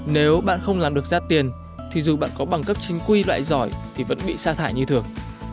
nếu bạn không làm được ra tiền thì dù bạn có bằng cấp chính quy loại giỏi thì vẫn bị xa thải như thường